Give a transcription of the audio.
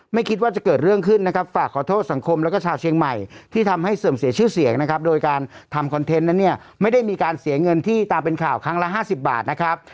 ไม่คิดว่าจะเกิดเรื่องขึ้นนะครับฝากขอโทษสังคมแล้วก็ชาวเชียงใหม่ที่ทำให้เสื่อมเสียชื่อเสียงนะครับโดยการทำคอนเทนต์นั้นเนี่ยไม่ได้มีการเสียเงินที่ตามเป็นข่าวครั้งละ๕๐บาทนะครับ